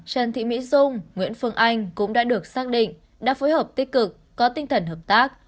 trần thị mỹ dung nguyễn phương anh cũng đã được xác định đã phối hợp tích cực có tinh thần hợp tác